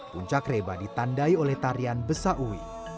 puncak reba ditandai oleh tarian besa uwi